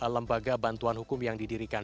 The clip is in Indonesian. lembaga bantuan hukum yang didirikan